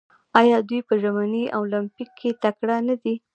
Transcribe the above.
آیا دوی په ژمني المپیک کې تکړه نه دي؟